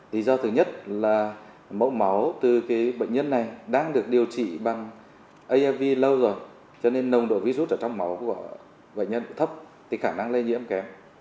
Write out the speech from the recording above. lý do thứ nhất là mẫu máu từ cái bệnh nhân này đang được điều trị bằng av lâu rồi cho nên nồng độ virus ở trong máu của bệnh nhân thấp thì khả năng lây nhiễm kém